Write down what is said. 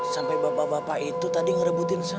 sampai bapak bapak itu tadi ngerebutin